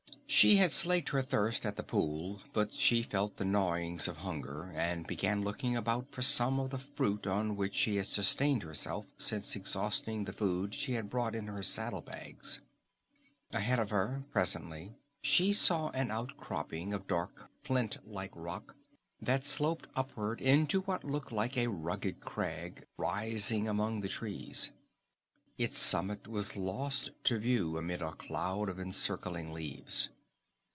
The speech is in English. She had slaked her thirst at the pool, but she felt the gnawings of hunger and began looking about for some of the fruit on which she had sustained herself since exhausting the food she had brought in her saddle bags. Ahead of her, presently, she saw an outcropping of dark, flint like rock that sloped upward into what looked like a rugged crag rising among the trees. Its summit was lost to view amidst a cloud of encircling leaves.